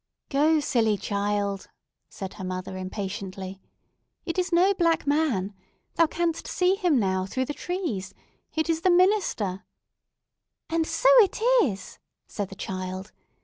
"Go, silly child!" said her mother impatiently. "It is no Black Man! Thou canst see him now, through the trees. It is the minister!" "And so it is!" said the child.